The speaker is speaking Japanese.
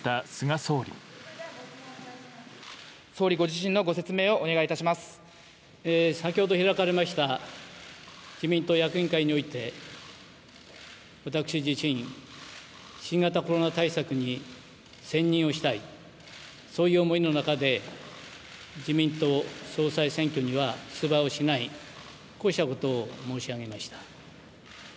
総理ご自身のご説明をお願い先ほど開かれました自民党役員会において、私自身、新型コロナ対策に専任をしたい、そういう思いの中で、自民党総裁選挙には出馬をしない、こうしたことを申し上げました。